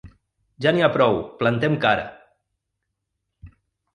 Ja n’hi ha prou, plantem cara!